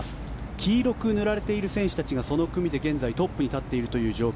黄色く塗られている選手たちがその組で現在トップに立っているという状況。